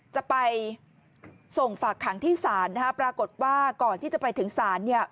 จะไปส่งฝากขังที่ศาลนะฮะปรากฏว่าก่อนที่จะไปถึงศาลเนี่ย